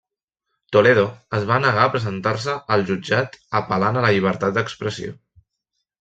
Toledo es va negar a presentar-se al jutjat apel·lant a la llibertat d'expressió.